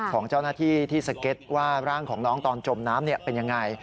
ของเจ้าหน้าที่ที่สเก็ตว่าร่างของน้องตอนจมน้ำเป็นยังไง